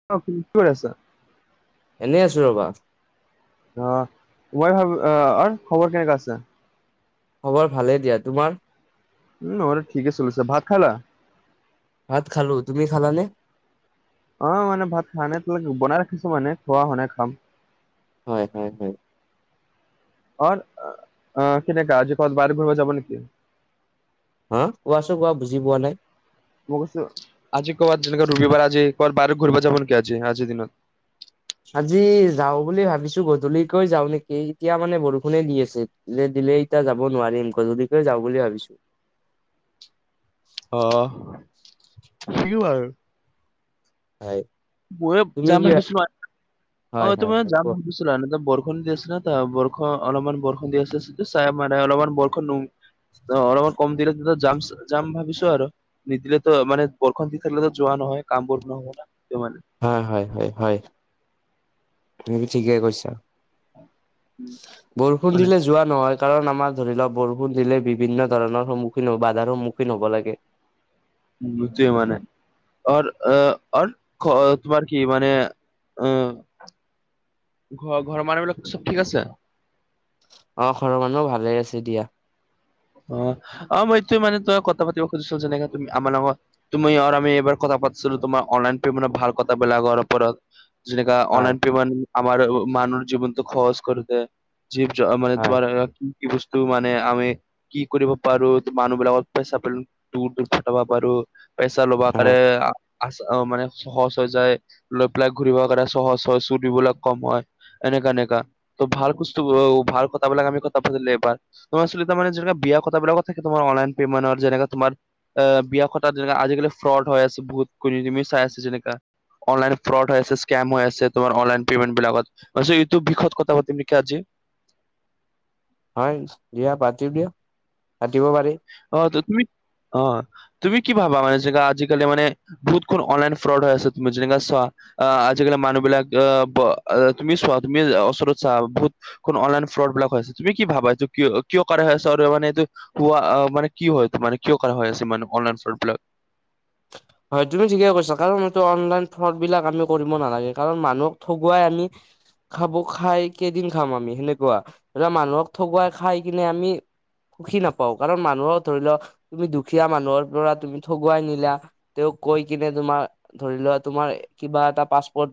[unintelligible] এনেই আছো ৰবা। অঁ মই ভাৱোঁ অঁ খবৰ কেনেকা আছে? খবৰ ভালে দিয়া। তোমাৰ? নহলে ঠিক আছে পিছে, ভাত খালা? ভাত খালো। তুমি খালা নে? অ মানে ভাত খোৱা নাই বনাই ৰাখিছো মানে খোৱা হোৱা নাই খাম। হয় হয় হয়। ঘৰত অঁ কেনেকা আজি কৰত বাৰ ঘূৰিব যাব নেকি? হাঁ? কোৱাচো কোৱা বুজি পোৱা নাই? মই কৈছোঁ আজি ক'বাত যেনেকা ৰবিবাৰ আজি ক'ব বাহিৰত ঘূবৰিব যাব নেকি আজি আজিৰ দিনত? আজি যাওঁ বুলি ভাবিছো গধূলিকৈ যাওঁ নেকি, এতিয়া মানে বৰষুণে দি আছে। দিলে দিলে এতিয়া যাব নোৱাৰিম গধলিকৈ যাওঁ বুলি ভাবিছো। অহ। [unintelligible] হয়। [unintelligible] তুমি যাম কি ভা- ভাবিছো অ হয় হয় তোমাৰ হয় যাম কোৱা ভাবিছোঁ। [unintelligible] বৰষুণ দি আছে না তাৰ বৰষুণ অলপমান বৰষুণ দি আছে যে, চাই মানে অলপমান বৰষুণ নোঁ অঁ অলপমান কম দিলেটোত যাম যাম ভাবিছো আৰু, নিদিলে তো মানে বৰষণ দি থাকিলেতো যোৱা নহয়, কাম বোৰ নহব ন সেইটো মানে। হয় হয় হয় হয় তুমি ঠিকেই কৈছা। সেইটো বৰষুণ মানে। দিলে যোৱা নহয় কাৰণ আমাৰ ধৰি লোৱা বৰষুণ দিলে বিভিন্ন ধৰণৰ সন্মুখীন হ বাধাৰ সন্মুখীন হ'ব লাগে। [unintelligible] মানে। অৰ অহ অৰ খ তোমাৰ কি মানে এ ঘৰ ঘৰৰ মানুহবিলাক চব ঠিক আছে? অ ঘৰৰ মানুহ ভালে আছে দিয়া। অ অ মই এইটো মানে তই কথা পাতিব খুজিছো যেনেকে তুমি আমাৰ লগত তুমি আৰু আমি এবাৰ কথা পাতিছিলো তোমাৰ অনলাইন পেমেণ্ট ভাল কথা বেলাগৰ ওপৰত। যেনেকা হয় অনলাইন পেমেণ্ট আমাৰ মানুহৰ জীৱনটো সহজ কৰি দিয়ে। জীৱ জ মানে হয় তোমাৰ কি কি বস্তু মানে আমি কি কৰিব পাৰো মানুহ বিলাক [unintelligible] দূৰ দূৰ পথাব পাৰো। পইচা ল'বা কৰে হয় আছে মানে সহজ হৈ যায় লৈ পেলাই ঘূৰিবৰ কাৰণে সহজ হয় চুৰিবলাক কম হয় এনেকা এনেকা তো ভাল বস্তুবিলাক ভাল কথাবিলাক আমি কথা পাতিলে এবাৰ ত আচল তাৰমানে জোনে বিয়া কথাবিলাকত থাকে তোমাৰ অনলাইন পেমেট যেনে তোমাৰ আহ বিয়া কথাত যেনেকে আজিকালি ফ্ৰড হৈ আছে বহুত কুমি কুমি চাই আছে যেনেকা। অনলাইন ফ্ৰড হৈ আছে স্কেম হৈ আছে তোমাৰ অনলাইন পে'মেন্ট বিলাকত। মই ভাবিছো এইটো বিষয়ত কথা পাতিম নেকি আজি হয় দিয়া পাতো দিয়া পাতিব পাৰি। অ তুমি অ তুমি কি ভাবা মানে জেনেকা আজিকালি মানে বহুত কোন অনলাইন ফ্ৰড হৈ আছে তুমি যেনেকা চোৱা আহ আজিকালি মানুহ বিলাক আহ ব তুমি চোৱা তুমি ওচৰত চা বহুত কোন অনলাইন ফ্ৰড বিলাক আছে তুমি কি ভাবা এইটো কিয় কিয় কৰা আছ আৰু মানে এইটো কোৱা অ মানে কি হয় মানে কিয় কৰা হয় আছে মানে অনলাইন ফ্ৰড বিলাক? হয় তুমি ঠিকে কৈছা কাৰণ এইটো অনলাইন ফ্ৰৰ্ড বিলাক আমি কৰিব নালাগে কাৰণ মানুহক ঠগুৱাই আমি খাব খাই কেইদিন খাম আমি সেনেকুৱা এৰা মানুহক ঠগুৱাই খাই কিনে আমি সুখী নাপাওঁ কাৰণ মানুহক ধৰি লওক তুমি দুখীয়া মানুহৰ পৰা তুমি ঠগুৱাই নিলা তেওঁক কৈ কিনে তোমাৰ ধৰি লোৱা তোমাৰ কিবা এটা পাছপৰ্ট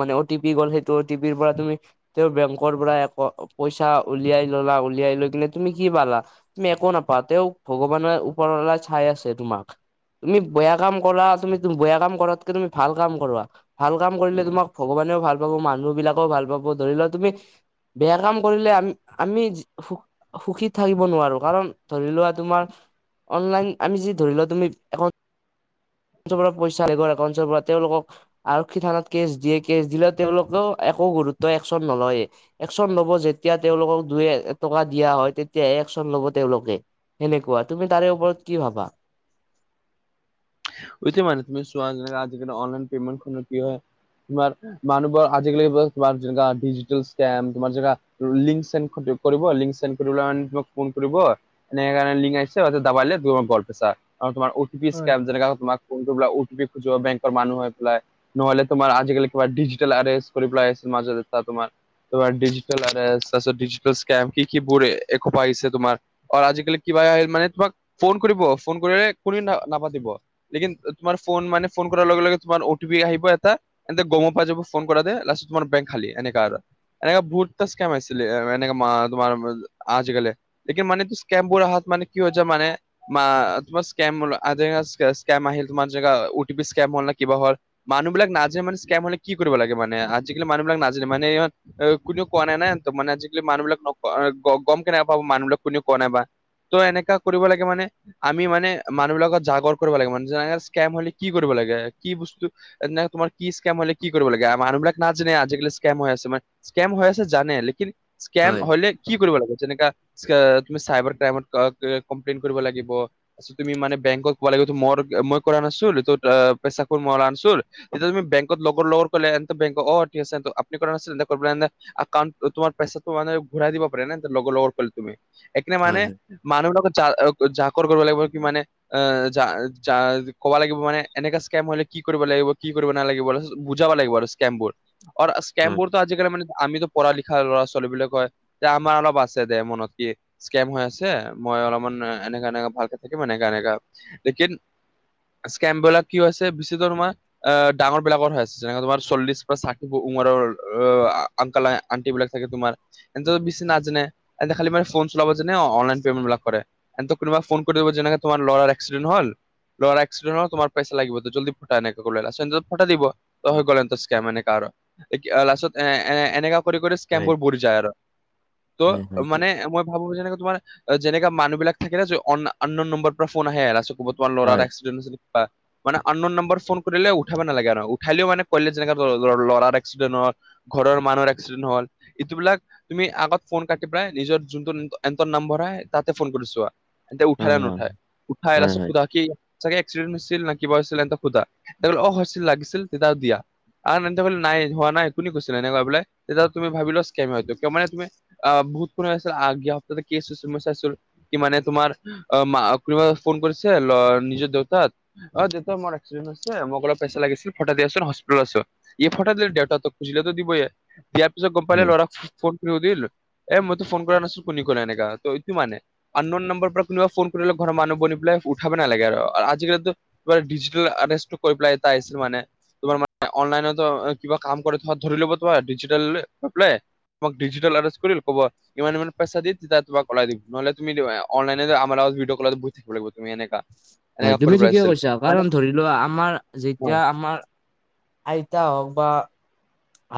মানে অটি পি গ'ল সেইটো অ টি পিৰ পৰা তুমি তেওঁ বেংকৰ পৰা এক পইচা উলিয়াই ললা উলিয়াই লৈ কিলে তুমি কি পালা তুমি একো নাপাওঁ তেওঁক ভগৱানৰ ওপৰৰ পৰাই চাই আছে তোমাক তুমি বেয়া কাম কৰা তুমি বেয়া কাম কৰাতকে তুমি ভাল কাম কৰোৱা। ভাল কাম কৰিলে তোমাক ভগৱানেও ভাল পাব মানুহ বিলাকেও ভাল পাব ধৰি লোৱা তুমি বেয়া কাম কৰিলে আমি আমি সুখীত থাকিব নোৱাৰো কাৰণ ধৰি লোৱা তোমাৰ অনলাইন আমি যি ধৰি লোৱা তুমি একা উঞ্চৰ পৰা পইচা আগৰ একাউঞ্চৰ পৰা তেওঁলোকক আৰক্ষী থানাত কেছ দিয়ে, কেছ দিলেও তেওঁলোকেও একো গুৰুত্ব একচন নলয়ে। একচন লব যেতিয়া তেওঁলোকক দুই এটকা দিয়া হয় তেতিয়াহে একচন ল'ব তেওঁলোকে। সেনেকুৱা তুমি তাৰে ওপৰত কি ভাবা? এতিয়া মানে তুমি চোৱা যেনেকা আজিকালি অনলাইন পেমেন্ট কি হয় তোমাৰ মানুহবোৰ আজিকালি তোমাৰ যেনেকা ডিজিটেল স্কেম তোমাৰ যেনকা লিংক চেণ্ড কৰিব লিংক চেণ্ড কৰি লৈ তোমাক ফোন কৰিব। এনেকা এনেকা লিংক আহিছে দাবাই দিলে গল পইচা কাৰণ তোমাৰ অ টি পি স্কেম যেনেকা। তোমাক ফোনটোৰ পৰা অ টি পি খুজিব বেংকৰ মানুহ হৈ পেলাই। নহলে তোমাৰ আজিকালি কিবা ডিজিটেল এৰেষ্ট কৰি পেলাই আছিল মাজত এটা তোমাৰ। তোমাৰ ডিজিটেল এৰেষ্ট তাৰপিছত ডিজিটেল স্কেম কি কি বোৰে একসোপা আহিছে তোমাৰ। আৰু আজিকালি কিবা আ মানে তোমাক ফোন কৰিব ফোন কৰিলে কোনদিন নাপাতিব। লেকিন তোমাৰ ফোন মানে ফোন কৰাৰ লগে লগে তোমাৰ অ টি পি আহিব এটা। হেঁতে গমো পাই যাব ফোন কৰা দে লাষ্টত তোমাৰ বেংক খালী এনেকা আৰু। এনেকা বহুত টা স্কেম আহিছিলে এনেকা মা তোমাৰ আজিকালি। লেকিন মানে স্কেম বোৰ আহাত মানে কি হৈ হৈছে মানে তোমাৰ স্কেম [unintelligible] স্কেম আহিল তোমাৰ যেনেকা অ টি পি স্কেম হল না কিবাহৰ। মানুহ বিলাক নাজানে মানে স্কেম হলে কি কৰিব লাগে মানে আজিকালি মানুহবিলাক নাজানে মানে। কোনেও কোৱা নাই না সিহঁতক মানে আজিকালি মানুহ বিলাক নকয় গ গম কেনেকা পাব মানুহবিলাক কোনেও কোৱা নাইবা। ত' এনেকা কৰিব লাগে মানে আমি মানে মানুহ বিলাকত জাগৰ কৰিব লাগে মানে যেনেকা স্কেম হলে কি কৰিব লাগে কি বস্তু তোমাৰ কি স্কেম হলে কি কৰিব লাগে। মানুহ বিলাক নাজানে আজিকালি স্কেম হৈ আছে আমা স্কেম হৈ আছে জানে, লেকিন স্কেম হয় হলে কি কৰিব লাগিব, যেনেকা তুমি চাইবাৰ ক্ৰাইমত ক- ক কমপ্লেইন কৰিব লাগিব। তুমি মানে বেংকত কব লাগিব। ত' মোৰ মই কৰা নাছিলো, ইটোত এ পইচা [unintelligible] সেইটো তুমি বেংকত লগত- লগত গ'লে [unintelligible] একাউন্ট তোমাৰ পইচা মানে ঘূৰাই দিব পাৰে ন' লগৰ লগৰ কৰিলে তুমি। একনে মানে হয় মানুহ লগত জ- জাকৰ কৰিব লাগিব কি মানে আ। যা- যা ক'ব লাগিব মানে এনেকা স্কেম হলে কি কৰিব লাগিব, কি কৰিব নালাগিব তাৰপিছত বুজাব লাগিব। স্কেমবোৰ। ওৰ হয় স্কেমবোৰ ত আজিকালি মানে আমিতো পঢ়া লিখা ল'ৰা ছোৱালী বুলি কয় যে, আমাৰ অলপ আছে দে মনত কি। স্কেম হৈ আছে, মই অলপমান এনেকা এনেকা ভালকে থাকিম এনেকা এনেকা। লেকিন স্কেম বিলাক কি হৈছে বেচি দৰমহা আ ডাঙৰ বিলাকৰ হৈ আছে। যেনেকা তোমাৰ চল্লিশ বা ষাঠি উমৰৰ। আংকালে আন্টি বিলাক থাকে তোমাৰ। সিহঁতে টো বেছি নাজানে খালি মান ফোন চলাব, অনলাইন পেমেন্টবিলাক কৰে। সিহঁতক কোনবাই ফোন কৰি দিব, যেনেকা তোমাৰ লৰাৰ এক্সিডেন হল। ল'ৰা এক্সিডেণ্ট হল তোমাৰ পইচা লাগিব, জল্দি পঠা এনেকা কৰি [unintelligible] পঠাই দিব। ত হৈ গ'ল সিহঁতৰ স্কেম এনেকা আৰু। লাষ্টত এ এনেকা কৰি কৰি হয় স্কেমবোৰ [unintelligible] যায় আৰু। ত হয় হয় হয় মানে মই ভাবো যেনেকে তোমাৰ। যেনেকা মানুহ বিলাক থাকে না, যে অন আননোন নম্বৰ পৰা ফোন আহে তোমাৰ ল'ৰাৰ হয় হয় একচিডেন্ট। মানে আননোন নম্বৰ ফোন কৰিলে উঠাব নালাগে আৰু উঠালেও মানে কলে যেনেকে ল'ৰাৰ এক্সিডেণ্ট হয়। ঘৰৰ মানুহৰ এক্সিডেণ্ট হ'ল ইটো বিলাক তুমি আগত ফোন কাটি পেলাই নিজৰ যোনটো এহতৰ নম্বৰ হয় তাতে ফোন কৰি ছোৱা। তেতিয়া উঠাই না হয় নুঠায়, উঠায় হয় তাৰপিছত হয় সুধা কি চাগে এক্সিডেণ্ট হৈছিল না কিবা হৈছিল, ইহতক সোধা। অ হৈছিল লাগিছিল, তেতিয়া দিয়া। আৰু ইহঁতে বোলে নাই হোৱা নাই, কোনে কৈছিল? এনেকুৱা বোলে তেতিয়া তুমি ভাবি লোৱা স্কেম হয় এইটো। কিয় মানে তুমি অ' বহুত [unintelligible] সপ্তাহতে কি [unintelligible] চাইছো। কি মানে তোমাৰ অ' কোনোবা ফোন কৰিছে ল নিজৰ দেউতাক। অ দেউতা মোৰ একচিডেন্ট হৈছে, মোক অলপ পইচা লাগিছিল, পঠাই দিয়াছোন হস্পিতেলত আছো। ই ফঠাই দিলে। দেউতাতো খুজিলেতো দিবইয়ে। দিয়া পিছত গম পালে হয় ল'ৰাক ফোন [unintelligible] এ মইতো ফোন কৰা নাছিলো। কোনে কলে এনেকা। টো এইটো মানে। আন নোন নম্বৰ পৰা কোনোবা ফোন কৰিলে ঘৰ মানুহ বনি পেলাই উঠাব নালাগে আৰু। আজিকালিতো ডিজিটেল আডেছটো কৰি পেলাই এটা আহিছিল মানে। তোমাৰ মা অনলাইনতো কিবা কাম কৰি থ ধৰি লব তোমাৰ ডিজিটেল [unintelligible] তোমাক ডিজিটেল এৰেচ কৰিল ক'ব ইমান ইমান পইচা দি, তেতিয়া তোমাক ওলাই দিম নহ'লে তুমি অনলাইনে আমাৰ ভিদিঅ' কলেজত বহি থাকিবা লাগিব তুমি এনেকা। হয় এনেকা তুমি কৰিব ঠিকে লাগিছিল কৈছা, মানে কাৰণ ধৰি লোৱা, আমাৰ যেতিয়া হয়, আমাৰ আইতা হওক বা-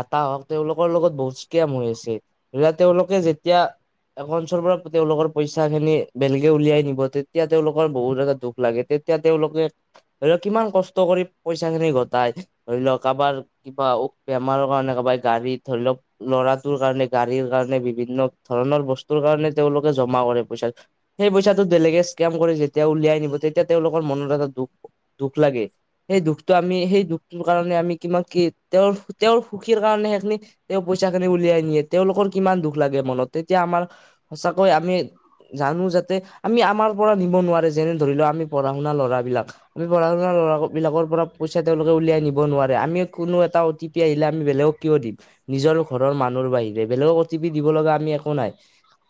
আটা হও'ক তেওঁলোকৰ লগত বহুত স্কেম হৈ আছে, ধৰি লোৱা তেওঁলোকে যেতিয়া একাঞ্চৰ পৰা তেওঁলোকৰ পইচা খিনি বেলেগে উলিয়াই নিব, তেতিয়া তেওঁলোকৰ বহুত এটা দুখ লাগে তেত তেতিয়া তেওঁলোকে ধৰি লোৱা কিমান কষ্ট কৰি পইচা খিনি ঘটাই, ধৰি লোৱা কাবাৰ কিবা বেমাৰৰ কাৰণে কবাই গাড়ী ধৰি লওক। ল'ৰাটোৰ কাৰণে গাড়ীৰ কাৰণে বিভিন্ন ধৰণৰ বস্তুৰ কাৰণে তেওঁলোকে জমা কৰে পইচা। সেই পইচাটো বেলেগে স্কেম কৰি, যেতিয়া উলিয়াই নিব তেতিয়া তেওঁলোকৰ মনত এটা দুখ দুখ লাগে, সেই দুখটো আমি সেই দুখটোৰ কাৰণে আমি কিমান কি তেওঁৰ তেওঁৰ সুখীৰ কাৰণে সেইখিনি তেওঁ পইচা খিনি উলিয়াই নিয়ে, তেওঁলোকৰ কিমান দুখ লাগে, মনত তেতিয়া আমাৰ সঁচাকৈ আমি। জানো যাতে, আমি আমাৰ পৰা নিব নোৱাৰে, যেনে, ধৰি লও আমি পঢ়া শুনা ল'ৰা বিলাক। আমি পঢ়া শুনা ল'ৰা বিলাকৰ পৰা পইচা তেওঁলোকে উলিয়াই নিব নোৱাৰে, আমি কোনো এটা অ', তি পি আহিলে আমি বেলেগক কিয় দিম, নিজৰ ঘৰৰ মানুহৰ বাহিৰে বেলেগক অ', টিপি দিব লগা আমি একো নাই।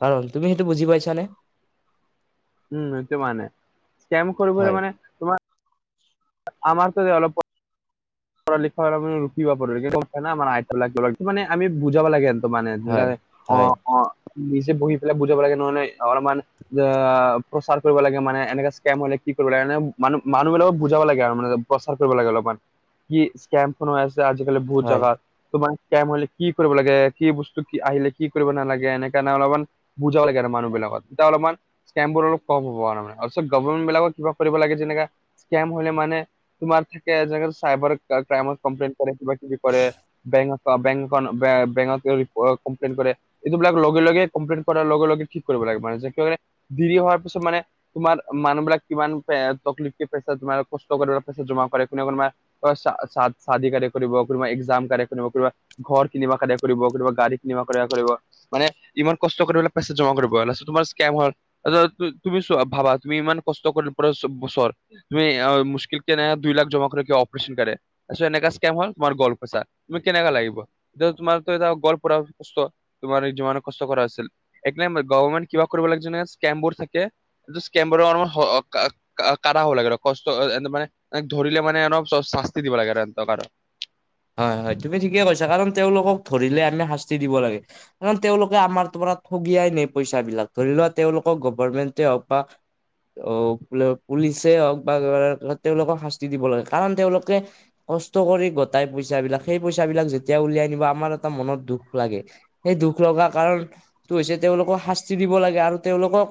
কাৰণ, তুমি সেইটো বুজি পাইচা নে? উম, সেইটোৱে মানে, স্কেম কৰিবলে হয় মানে আমাৰ ফালে অলপ পঢ়া লিখা [unintelligible] মানে আমি বুজাব লাগে আৰু ত', মানে তেনেকে হয় হয় অ', অ', নিজে বহি পেলাই বুজাব লাগে, নহলে অলপমান যে অ', প্ৰচাৰ কৰিব লাগে, মানে এনেকা স্কেম হলে কি কৰিব লাগে, এনে মানুহ মানুহবিলাকক বুজাব লাগে আৰু মানে প্ৰচাৰ কৰিব লাগে, অলপমান, কি স্কেম ফোন হৈ আছে, আজিকালি বহুত হয় জাগাত তোমাৰ স্কেম হলে কি কৰিব লাগে, কি বস্তু কি আহিলে কি কৰিব নালাগে, এনেকা [unintelligible] অলপমান বুজাব লাগে আৰু মানুহবিলাকত, তেতিয়া অলপমান স্কেমবোৰ অলপ কম হব আৰু মানে, তাৰপাছত গভৰমেট বিলাকক কিবা কৰিব লাগে যেনেকা স্কেম হলে মানে, তোমাৰ থাকে যেনেকে চাইবাৰ কা, ক্ৰাইমত কমপ্লেইন কৰে, কিবা কিবি কৰে, বেংক বেংক এ [unintelligible] অ', কমপ্লেইন কৰে এইটোবিলাক লগে লগে, কমপ্লেইন কৰাৰ লগে লগে কি কৰিব লাগে মানে, যিকাৰণে ডেৰি হোৱাৰ পিছত মানে, তোমাৰ মানুহ বিলাক কিমান এ তকলিফ পইচা তোমাৰ কষ্ট কৰি পেলাই পইচা জমা কৰে কোনে তোমাৰ অ', চা-চা-চাদী কাৰনে কৰিব, কোনোবা এক্সাম কাৰনে কোনোবা কিবা ঘৰ কিনিবা কাৰণে কৰিব, কোনোবা গাড়ী কিনিবা কাৰণে কৰিব। মানে ইমান কষ্ট কৰি পেলাই পইচা জমা কৰিব, লাস্তত তোমাৰ স্কেম হ'ল এ, ধৰা, তো-তুমি চোৱা, ভাবা তুমি ইমান কষ্ট কৰি পৰা বছৰ তুমি এ, মুশ্কিল কেনে দুই লাখ জমা কৰে কিয় অপাৰচন কাৰে তাৰ পিছত এনেকা স্কেম হ, ল, তোমাৰ গ'ল পইচা, তুমি কেনেকা লাগিব? এতিয়া তোমাৰতো এটা গ'ল পৰা কষ্ট, তোমাৰ যিমান কষ্ট কৰা আছিল। একনে ম গভমেণ্ট কিবা কৰিব লাগিব যেনে, স্কেমবোৰ থাকে এইটো স্কেমবোৰ [unintelligible] কাঢ়া হব লাগে আৰু কষ্ট অ', এন মানে ধৰিলে মানে অলপ চ শাস্তি দিব লাগে আৰু এহেটক আৰু হয়, হয়, তুমি ঠিকে কৈছা, কাৰণ তেওঁলোকক ধৰিলে আমি শাস্তি দিব লাগে। কাৰণ তেওঁলোকে আমাৰ পৰা ঠগিয়াই নাই পইচাবিলাক, ধৰি লোৱা তেওঁলোকক গভমেণ্টে হওক বা অ', বুলে পুলিচে হওক বা [unintelligible] তেওঁলোকক শাস্তি দিব লাগে কাৰণ তেওঁলোকে কষ্ট কৰি গটাই পইচা বিলাক, সেই পইচা বিলাক যেতিয়া উলিয়াই আনিব, আমাৰ এটা মনত দুখ লাগে। সেই দুখ লগা কাৰণটো হৈছে, তেওঁলোকক শাস্তি দিব লাগে আৰু তেওঁলোকক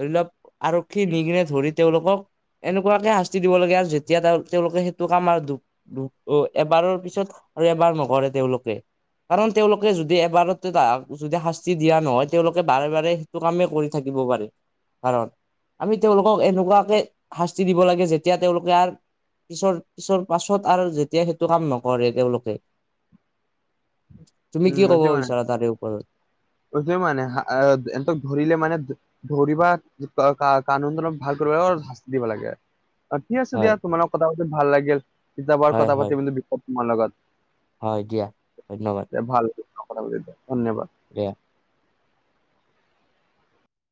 ধৰি লোৱা আৰক্ষী নিগিনে ধৰি তেওঁলোকক এনেকুৱাকে শাস্তি দিব লাগে আৰু যেতিয়া তেওঁ তেওঁলোকে সেইটো কাম আৰু দু দু অ' এবাৰৰ পিছত আৰু এবাৰ নকৰে তেওঁলোকে। কাৰণ তেওঁলোকে যদি এবাৰতে তাৰ যদি শাস্তি দিয়া নহয় তেওঁলোকে বাৰে বাৰে টো কামেই কৰি থাকিব পাৰে। কাৰণ, আমি তেওঁলোকক এনেকুৱাকে শাস্তি দিব লাগে, যেতিয়া তেওঁলোকে আৰ পিছৰ পিছৰ পাছত আৰু যে এতিয়া সেইটো কাম নকৰে, তেওঁলোকে, তুমি কি কব বিচাৰা তাৰে ওপৰত? সৈটোৱে মানে, হা এ, এহঁতক ধৰিলে মানে ধৰিবা কানুনলক ভাল কৰিব লাগে শাস্তি দিব লাগে। অ' ঠিক আছে দিয়া হয় তোমাৰ লগত কথা পাতি ভাল লাগিল, কিতাপৰ হয় কথা হয় পাতি বুলি বিষয় তোমাৰ লগত। হয় দিয়া, ধন্যবাদ। ভাল লাগিল কথা পাতি দিয়া, ধন্যবাদ। দিয়া।